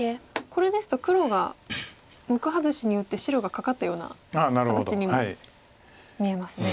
これですと黒が目外しに打って白がカカったような形にも見えますね。